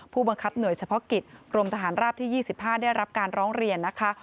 ผู้บังคับหน่วยเฉพาะกิจกรมทหารราบที่๒๕ได้รับการร้องเรียนนะคะ